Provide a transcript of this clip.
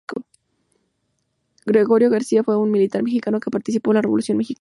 Gregorio García fue un militar mexicano que participó en la Revolución mexicana.